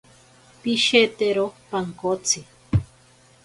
Pishetero pankotsi.